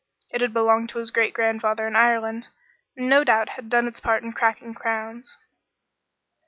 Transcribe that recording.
It had belonged to his great grandfather in Ireland, and no doubt had done its part in cracking crowns.